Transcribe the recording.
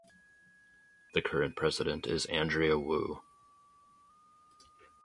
The current president is Andrea Wu.